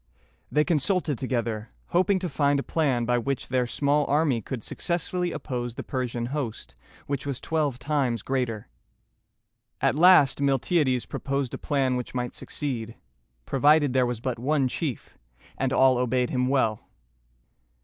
They consulted together, hoping to find a plan by which their small army could successfully oppose the Persian host, which was twelve times greater. At last Miltiades proposed a plan which might succeed, provided there was but one chief, and all obeyed him well.